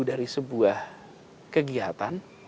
dari sebuah kegiatan